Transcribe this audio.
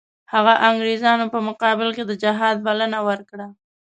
هغه انګریزانو په مقابل کې د جهاد بلنه ورکړه.